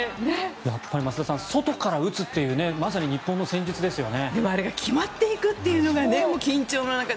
やっぱり増田さん外から打つというまさに日本の戦術ですよね。